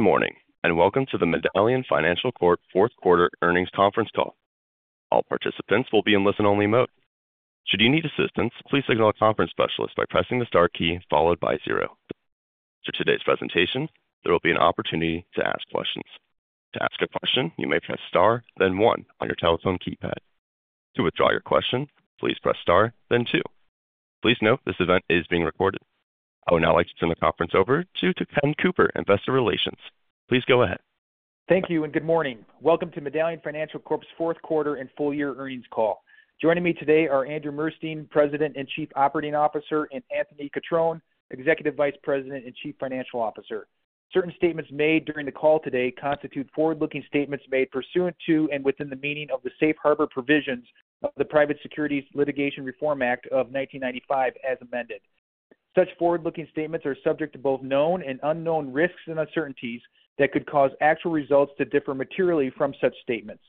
Good morning, and welcome to the Medallion Financial Corp fourth quarter earnings conference call. All participants will be in listen-only mode. Should you need assistance, please signal a conference specialist by pressing the star key followed by zero. For today's presentation, there will be an opportunity to ask questions. To ask a question, you may press star, then one on your telephone keypad. To withdraw your question, please press star, then two. Please note this event is being recorded. I would now like to turn the conference over to Ken Cooper and Investor Relations. Please go ahead. Thank you and good morning. Welcome to Medallion Financial Corp's fourth quarter and full year earnings call. Joining me today are Andrew Murstein, President and Chief Operating Officer, and Anthony Cutrone, Executive Vice President and Chief Financial Officer. Certain statements made during the call today constitute forward-looking statements made pursuant to and within the meaning of the Safe Harbor Provisions of the Private Securities Litigation Reform Act of 1995 as amended. Such forward-looking statements are subject to both known and unknown risks and uncertainties that could cause actual results to differ materially from such statements.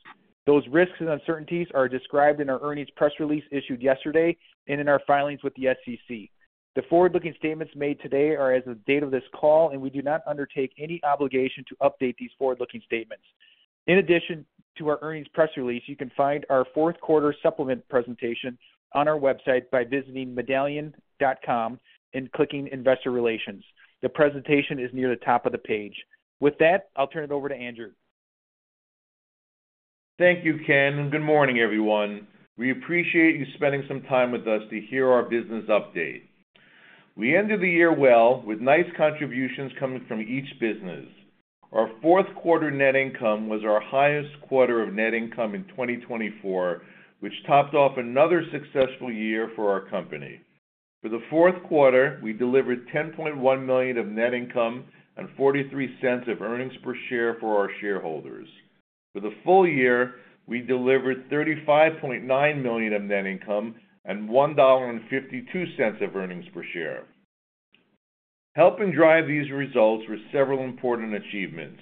Those risks and uncertainties are described in our earnings press release issued yesterday and in our filings with the SEC. The forward-looking statements made today are as of the date of this call, and we do not undertake any obligation to update these forward-looking statements. In addition to our earnings press release, you can find our fourth quarter supplement presentation on our website by visiting medallion.com and clicking investor relations. The presentation is near the top of the page. With that, I'll turn it over to Andrew. Thank you, Ken, and good morning, everyone. We appreciate you spending some time with us to hear our business update. We ended the year well with nice contributions coming from each business. Our fourth quarter net income was our highest quarter of net income in 2024, which topped off another successful year for our company. For the fourth quarter, we delivered $10.1 million of net income and $0.43 of earnings per share for our shareholders. For the full year, we delivered $35.9 million of net income and $1.52 of earnings per share. Helping drive these results were several important achievements.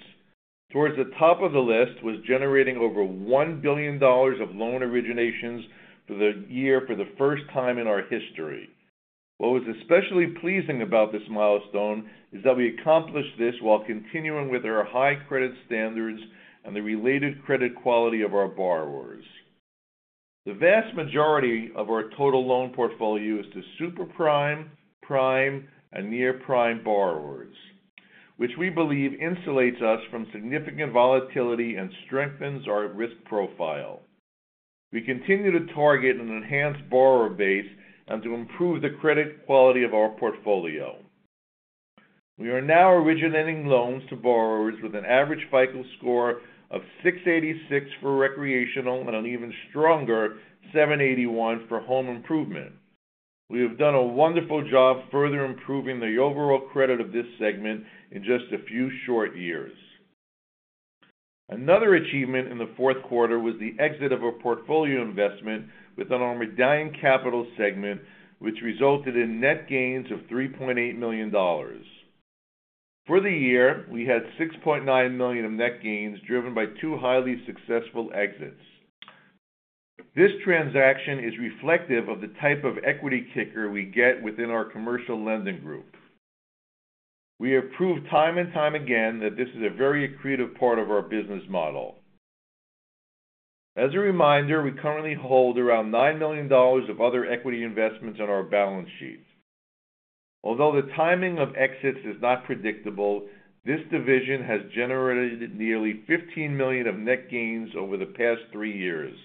Towards the top of the list was generating over $1 billion of loan originations for the year for the first time in our history. What was especially pleasing about this milestone is that we accomplished this while continuing with our high credit standards and the related credit quality of our borrowers. The vast majority of our total loan portfolio is to super prime, prime, and near prime borrowers, which we believe insulates us from significant volatility and strengthens our risk profile. We continue to target an enhanced borrower base and to improve the credit quality of our portfolio. We are now originating loans to borrowers with an average FICO score of 686 for recreational and an even stronger 781 for home improvement. We have done a wonderful job further improving the overall credit of this segment in just a few short years. Another achievement in the fourth quarter was the exit of a portfolio investment within our Medallion Capital segment, which resulted in net gains of $3.8 million. For the year, we had $6.9 million of net gains driven by two highly successful exits. This transaction is reflective of the type of equity kicker we get within our commercial lending group. We have proved time and time again that this is a very creative part of our business model. As a reminder, we currently hold around $9 million of other equity investments on our balance sheet. Although the timing of exits is not predictable, this division has generated nearly $15 million of net gains over the past three years.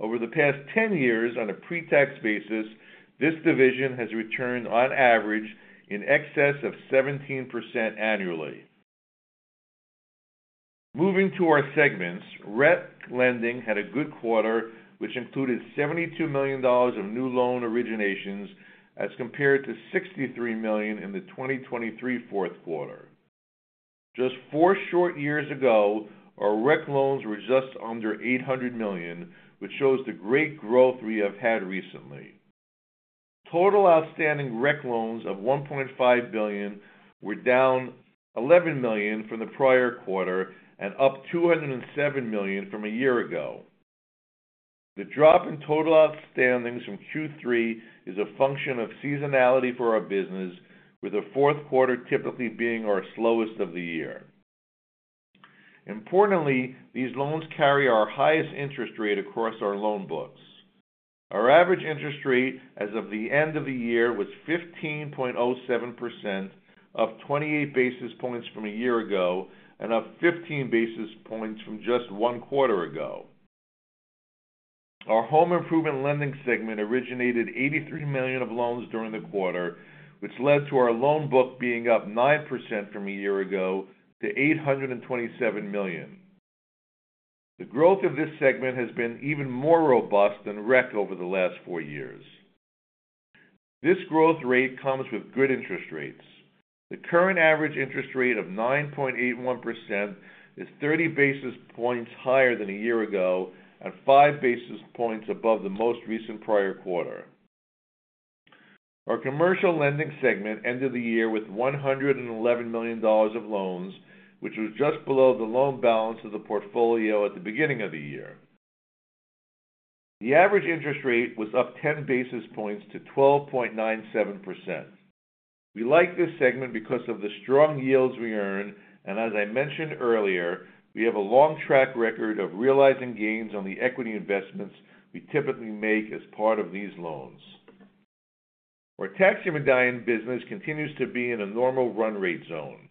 Over the past 10 years, on a pre-tax basis, this division has returned on average in excess of 17% annually. Moving to our segments, RET lending had a good quarter, which included $72 million of new loan originations as compared to $63 million in the 2023 fourth quarter. Just four short years ago, our RET loans were just under $800 million, which shows the great growth we have had recently. Total outstanding RET loans of $1.5 billion were down $11 million from the prior quarter and up $207 million from a year ago. The drop in total outstandings from Q3 is a function of seasonality for our business, with the fourth quarter typically being our slowest of the year. Importantly, these loans carry our highest interest rate across our loan books. Our average interest rate as of the end of the year was 15.07%, up 28 basis points from a year ago and up 15 basis points from just one quarter ago. Our home improvement lending segment originated $83 million of loans during the quarter, which led to our loan book being up 9% from a year ago to $827 million. The growth of this segment has been even more robust than RET over the last four years. This growth rate comes with good interest rates. The current average interest rate of 9.81% is 30 basis points higher than a year ago and five basis points above the most recent prior quarter. Our commercial lending segment ended the year with $111 million of loans, which was just below the loan balance of the portfolio at the beginning of the year. The average interest rate was up 10 basis points to 12.97%. We like this segment because of the strong yields we earn, and as I mentioned earlier, we have a long track record of realizing gains on the equity investments we typically make as part of these loans. Our tax and Medallion business continues to be in a normal run rate zone.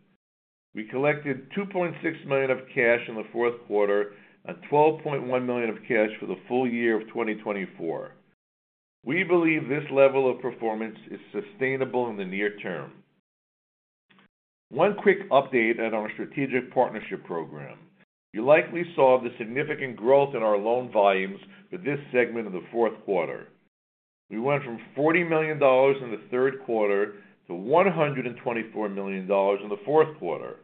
We collected $2.6 million of cash in the fourth quarter and $12.1 million of cash for the full year of 2024. We believe this level of performance is sustainable in the near term. One quick update on our strategic partnership program. You likely saw the significant growth in our loan volumes for this segment of the fourth quarter. We went from $40 million in the third quarter to $124 million in the fourth quarter.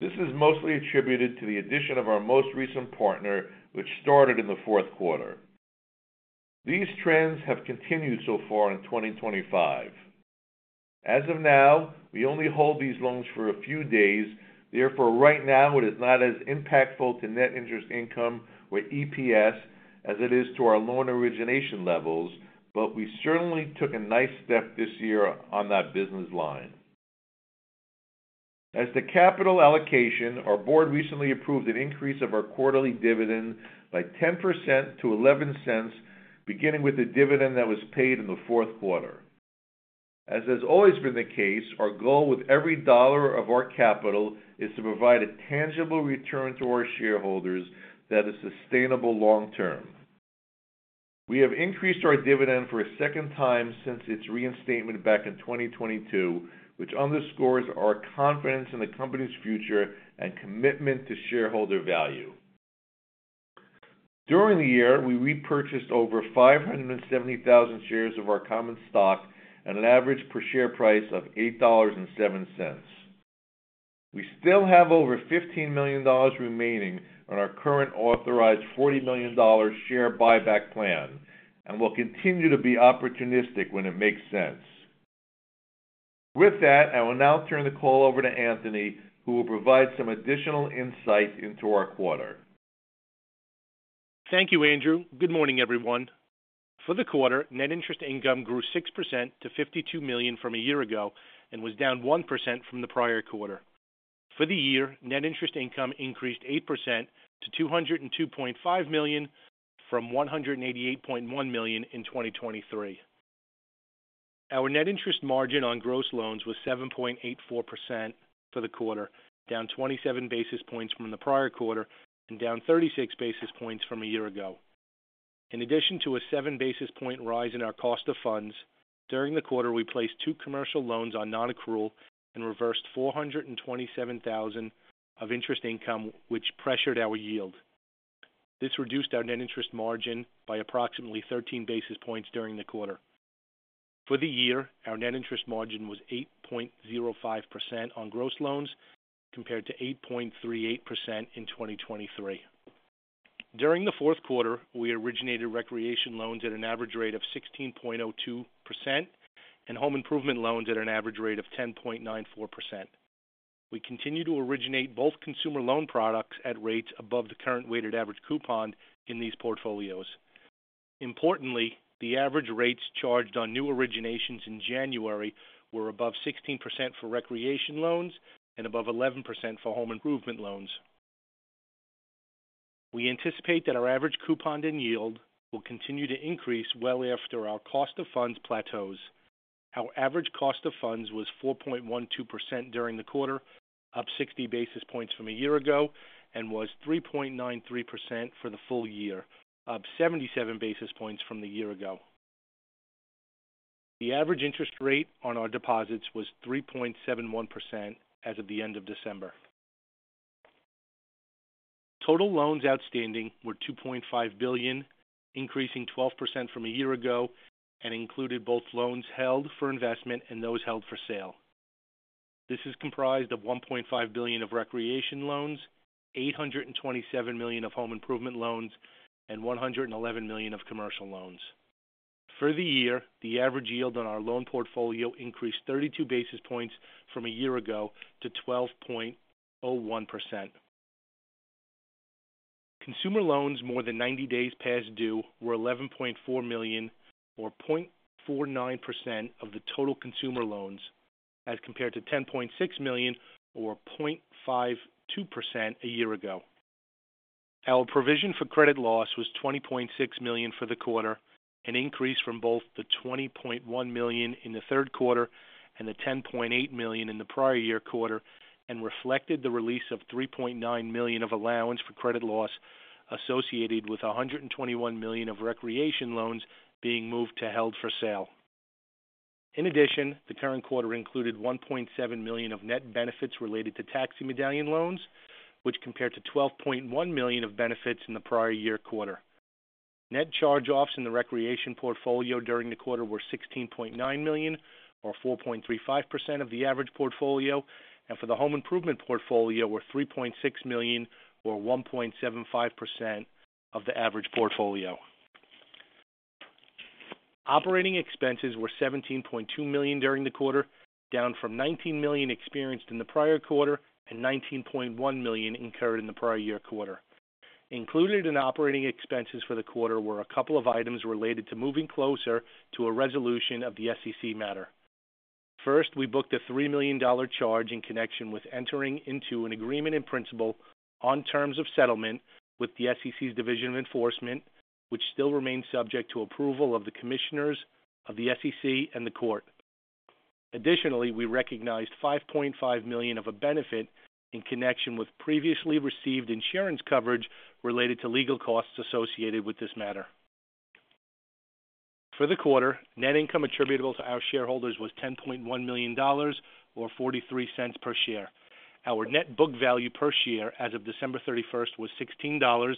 This is mostly attributed to the addition of our most recent partner, which started in the fourth quarter. These trends have continued so far in 2025. As of now, we only hold these loans for a few days. Therefore, right now, it is not as impactful to net interest income or EPS as it is to our loan origination levels, but we certainly took a nice step this year on that business line. As to capital allocation, our board recently approved an increase of our quarterly dividend by 10% to $0.11, beginning with the dividend that was paid in the fourth quarter. As has always been the case, our goal with every dollar of our capital is to provide a tangible return to our shareholders that is sustainable long term. We have increased our dividend for a second time since its reinstatement back in 2022, which underscores our confidence in the company's future and commitment to shareholder value. During the year, we repurchased over 570,000 shares of our common stock at an average per share price of $8.07. We still have over $15 million remaining on our current authorized $40 million share buyback plan, and we'll continue to be opportunistic when it makes sense. With that, I will now turn the call over to Anthony, who will provide some additional insight into our quarter. Thank you, Andrew. Good morning, everyone. For the quarter, net interest income grew 6% to $52 million from a year ago and was down 1% from the prior quarter. For the year, net interest income increased 8% to $202.5 million from $188.1 million in 2023. Our net interest margin on gross loans was 7.84% for the quarter, down 27 basis points from the prior quarter and down 36 basis points from a year ago. In addition to a 7 basis point rise in our cost of funds, during the quarter, we placed two commercial loans on non-accrual and reversed $427,000 of interest income, which pressured our yield. This reduced our net interest margin by approximately 13 basis points during the quarter. For the year, our net interest margin was 8.05% on gross loans compared to 8.38% in 2023. During the fourth quarter, we originated recreation loans at an average rate of 16.02% and home improvement loans at an average rate of 10.94%. We continue to originate both consumer loan products at rates above the current weighted average coupon in these portfolios. Importantly, the average rates charged on new originations in January were above 16% for recreation loans and above 11% for home improvement loans. We anticipate that our average coupon and yield will continue to increase well after our cost of funds plateaus. Our average cost of funds was 4.12% during the quarter, up 60 basis points from a year ago, and was 3.93% for the full year, up 77 basis points from the year ago. The average interest rate on our deposits was 3.71% as of the end of December. Total loans outstanding were $2.5 billion, increasing 12% from a year ago, and included both loans held for investment and those held for sale. This is comprised of $1.5 billion of recreation loans, $827 million of home improvement loans, and $111 million of commercial loans. For the year, the average yield on our loan portfolio increased 32 basis points from a year ago to 12.01%. Consumer loans more than 90 days past due were $11.4 million, or 0.49% of the total consumer loans, as compared to $10.6 million, or 0.52% a year ago. Our provision for credit loss was $20.6 million for the quarter, an increase from both the $20.1 million in the third quarter and the $10.8 million in the prior year quarter, and reflected the release of $3.9 million of allowance for credit loss associated with $121 million of recreation loans being moved to held for sale. In addition, the current quarter included $1.7 million of net benefits related to tax and Medallion loans, which compared to $12.1 million of benefits in the prior year quarter. Net charge-offs in the recreation portfolio during the quarter were $16.9 million, or 4.35% of the average portfolio, and for the home improvement portfolio were $3.6 million, or 1.75% of the average portfolio. Operating expenses were $17.2 million during the quarter, down from $19 million experienced in the prior quarter and $19.1 million incurred in the prior year quarter. Included in operating expenses for the quarter were a couple of items related to moving closer to a resolution of the SEC matter. First, we booked a $3 million charge in connection with entering into an agreement in principle on terms of settlement with the SEC's Division of enforcement, which still remains subject to approval of the commissioners of the SEC and the court. Additionally, we recognized $5.5 million of a benefit in connection with previously received insurance coverage related to legal costs associated with this matter. For the quarter, net income attributable to our shareholders was $10.1 million, or $0.43 per share. Our net book value per share as of December 31 was $16,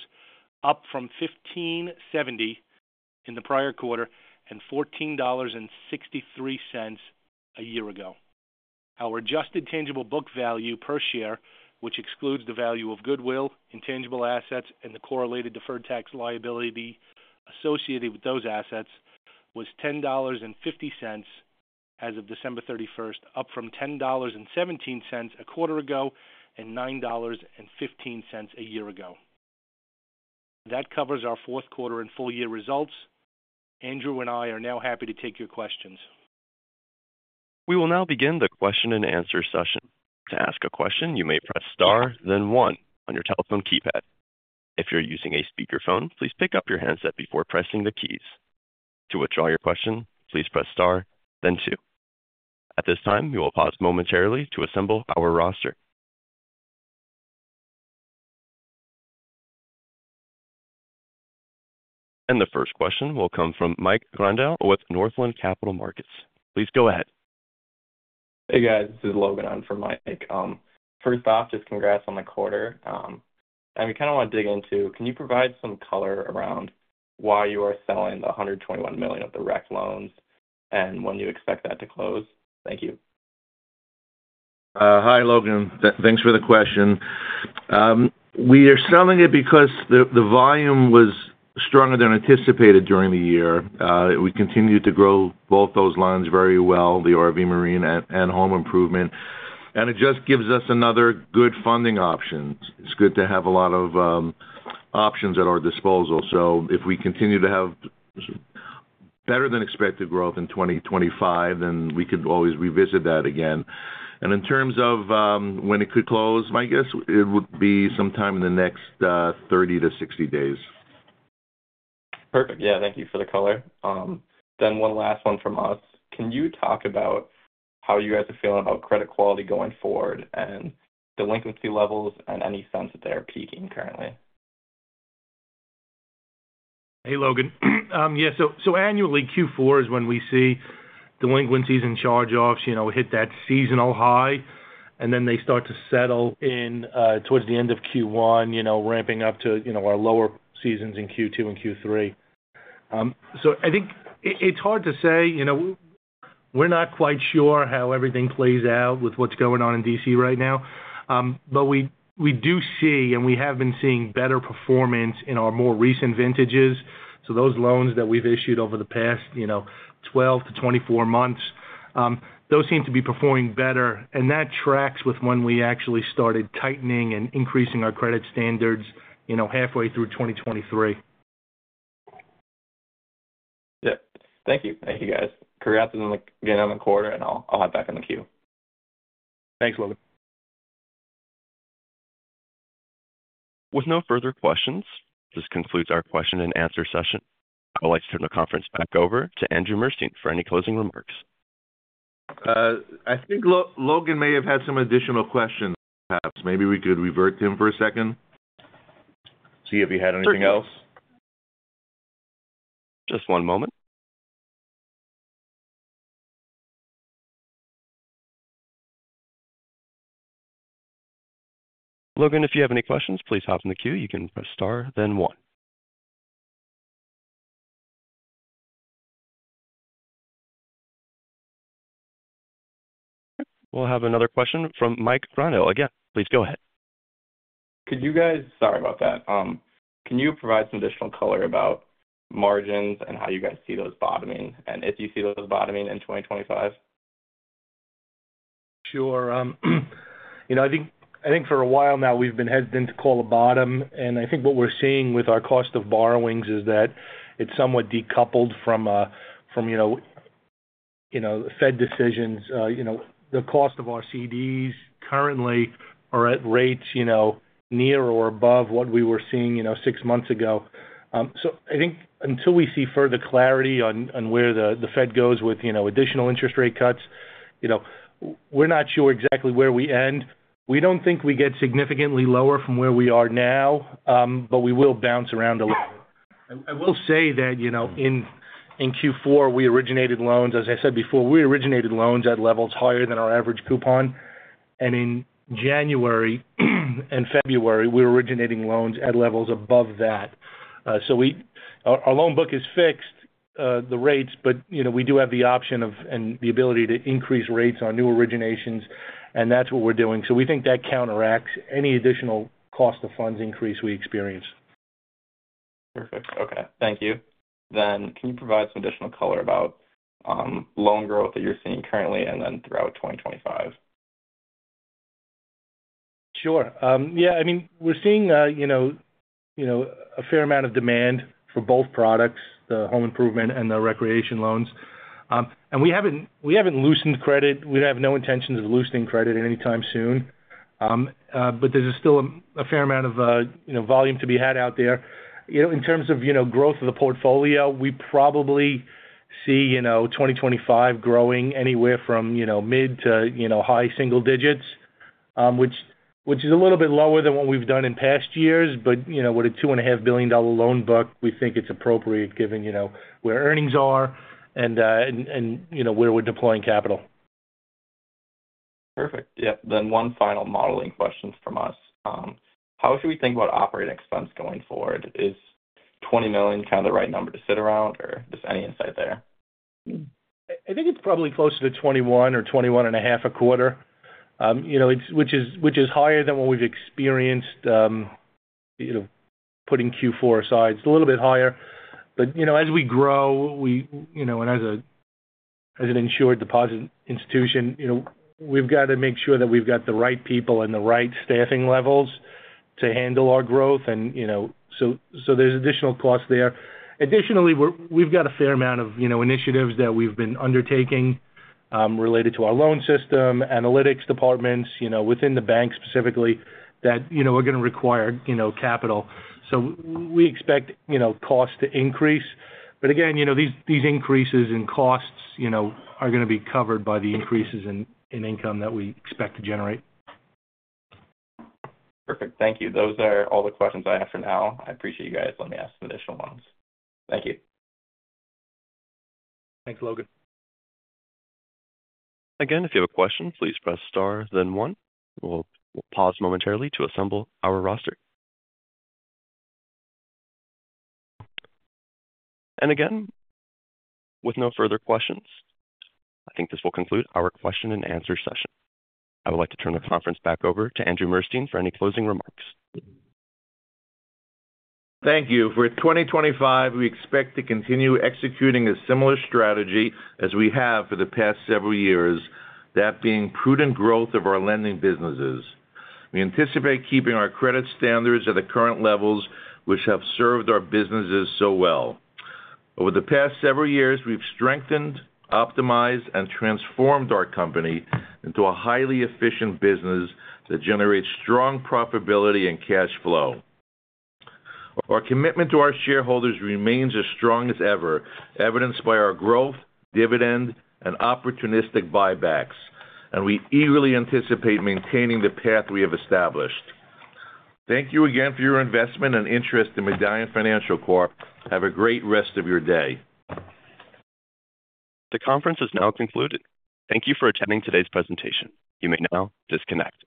up from $15.70 in the prior quarter and $14.63 a year ago. Our adjusted tangible book value per share, which excludes the value of goodwill, intangible assets, and the correlated deferred tax liability associated with those assets, was $10.50 as of December 31, up from $10.17 a quarter ago and $9.15 a year ago. That covers our fourth quarter and full year results. Andrew and I are now happy to take your questions. We will now begin the question and answer session. To ask a question, you may press star, then one on your telephone keypad. If you're using a speakerphone, please pick up your handset before pressing the keys. To withdraw your question, please press star, then two. At this time, we will pause momentarily to assemble our roster. The first question will come from Mike Grondahl, with Northland Capital Markets. Please go ahead. Hey, guys. This is Logan on for Mike. First off, just congrats on the quarter. We kind of want to dig into, can you provide some color around why you are selling the $121 million of the RET loans and when you expect that to close? Thank you. Hi, Logan. Thanks for the question. We are selling it because the volume was stronger than anticipated during the year. We continue to grow both those lines very well, the RV Marine and home improvement. It just gives us another good funding option. It's good to have a lot of options at our disposal. If we continue to have better than expected growth in 2025, then we could always revisit that again. In terms of when it could close, my guess it would be sometime in the next 30-60 days. Perfect. Yeah, thank you for the color. One last one from us. Can you talk about how you guys are feeling about credit quality going forward and delinquency levels and any sense that they are peaking currently? Hey, Logan. Yeah, annually, Q4 is when we see delinquencies and charge-offs hit that seasonal high, and then they start to settle in towards the end of Q1, ramping up to our lower seasons in Q2 and Q3. I think it's hard to say. We're not quite sure how everything plays out with what's going on in DC right now, but we do see, and we have been seeing, better performance in our more recent vintages. Those loans that we've issued over the past 12 to 24 months, those seem to be performing better, and that tracks with when we actually started tightening and increasing our credit standards halfway through 2023. Yep. Thank you. Thank you, guys. Congrats on getting on the quarter, and I'll hop back on the queue. Thanks, Logan. With no further questions, this concludes our question and answer session. I would like to turn the conference back over to Andrew Murstein for any closing remarks. I think Logan may have had some additional questions, perhaps. Maybe we could revert to him for a second, see if he had anything else. Just one moment. Logan, if you have any questions, please hop on the queue. You can press star, then one. Okay. We'll have another question from Mike Grondahl again. Please go ahead. Could you guys, sorry about that. Can you provide some additional color about margins and how you guys see those bottoming and if you see those bottoming in 2025? Sure. I think for a while now, we've been hesitant to call a bottom. I think what we're seeing with our cost of borrowings is that it's somewhat decoupled from Fed decisions. The cost of our CDs currently are at rates near or above what we were seeing six months ago. I think until we see further clarity on where the Fed goes with additional interest rate cuts, we're not sure exactly where we end. We don't think we get significantly lower from where we are now, but we will bounce around a little. I will say that in Q4, we originated loans—as I said before—we originated loans at levels higher than our average coupon. In January and February, we were originating loans at levels above that. Our loan book is fixed, the rates, but we do have the option and the ability to increase rates on new originations, and that's what we're doing. We think that counteracts any additional cost of funds increase we experience. Perfect. Okay. Thank you. Can you provide some additional color about loan growth that you're seeing currently and then throughout 2025? Sure. Yeah. I mean, we're seeing a fair amount of demand for both products, the home improvement and the recreation loans. We haven't loosened credit. We have no intentions of loosening credit anytime soon, but there's still a fair amount of volume to be had out there. In terms of growth of the portfolio, we probably see 2025 growing anywhere from mid to high single digits, which is a little bit lower than what we've done in past years. With a $2.5 billion loan book, we think it's appropriate given where earnings are and where we're deploying capital. Perfect. Yep. Then one final modeling question from us. How should we think about operating expense going forward? Is $20 million kind of the right number to sit around, or just any insight there? I think it's probably closer to 21 or 21 and a half a quarter, which is higher than what we've experienced putting Q4 aside. It's a little bit higher. As we grow and as an insured deposit institution, we've got to make sure that we've got the right people and the right staffing levels to handle our growth. There are additional costs there. Additionally, we've got a fair amount of initiatives that we've been undertaking related to our loan system, analytics departments within the bank specifically that are going to require capital. We expect costs to increase. Again, these increases in costs are going to be covered by the increases in income that we expect to generate. Perfect. Thank you. Those are all the questions I have for now. I appreciate you guys. Let me ask some additional ones. Thank you. Thanks, Logan. Again, if you have a question, please press star, then one. We'll pause momentarily to assemble our roster. With no further questions, I think this will conclude our question and answer session. I would like to turn the conference back over to Andrew Murstein for any closing remarks. Thank you. For 2025, we expect to continue executing a similar strategy as we have for the past several years, that being prudent growth of our lending businesses. We anticipate keeping our credit standards at the current levels, which have served our businesses so well. Over the past several years, we've strengthened, optimized, and transformed our company into a highly efficient business that generates strong profitability and cash flow. Our commitment to our shareholders remains as strong as ever, evidenced by our growth, dividend, and opportunistic buybacks. We eagerly anticipate maintaining the path we have established. Thank you again for your investment and interest in Medallion Financial Corp. Have a great rest of your day. The conference has now concluded. Thank you for attending today's presentation. You may now disconnect.